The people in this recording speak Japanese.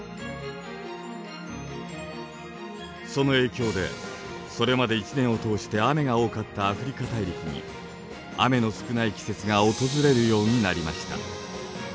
その影響でそれまで一年を通して雨が多かったアフリカ大陸に雨の少ない季節が訪れるようになりました。